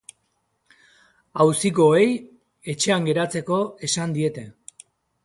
Auzikoei etxean geratzeko esan diete.